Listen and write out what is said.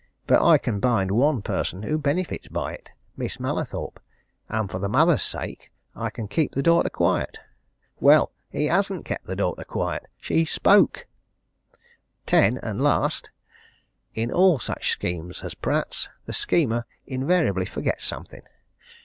But I can bind one person who benefits by it Miss Mallathorpe, and for the mother's sake I can keep the daughter quiet!' Well he hasn't kept the daughter quiet! She spoke! "10. And last in all such schemes as Pratt's, the schemer invariably forgets something.